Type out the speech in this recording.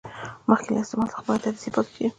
مخکې له استعمال څخه باید عدسې پاکې شي.